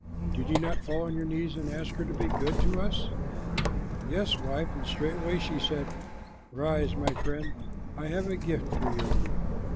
"Did you not fall on your knees and ask her to be good to us?" "Yes, wife, and straightway she said: 'Rise, my friend. I have a gift for you.